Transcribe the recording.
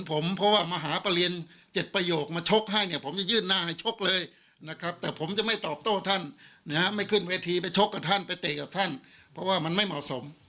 ไปชกกับท่านไปเตะกับท่านเพราะว่ามันไม่เหมาะสม